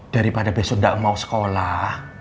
daripada besok tidak mau sekolah